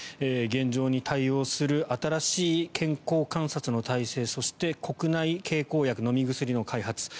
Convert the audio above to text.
現状に対応する新しい健康観察の体制そして、国内経口薬飲み薬の開発。